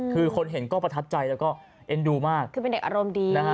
คือคนเห็นก็ประทับใจแล้วก็เอ็นดูมากคือเป็นเด็กอารมณ์ดีนะฮะ